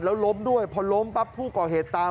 แล้วล้มด้วยพอล้มปั๊บผู้ก่อเหตุตาม